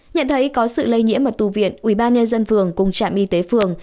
nhận thấy có sự lây nhiễm ở tù viện ubnd phường cùng trạm y tế phường